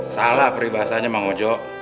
salah peribahasanya mang ojo